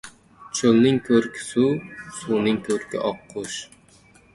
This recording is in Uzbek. • Cho‘lning ko‘rki — suv, suvning ko‘rki — oqqush.